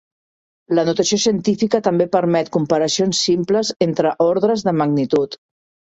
La notació científica també permet comparacions simples entre ordres de magnitud.